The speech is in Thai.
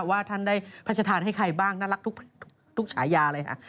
ว่าท่านได้พระชธานให้ใครบ้างน่ารักทุกฉายาเลยค่ะ